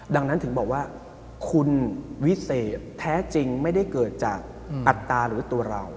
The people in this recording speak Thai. ดังนั้นถึงบอกว่าคุณวิเศษแท้จริงไม่ได้เกิดจากอัตราหรือตัวเรา